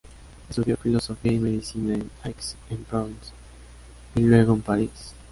Estudió filosofía y medicina en Aix-en-Provence, y luego en París.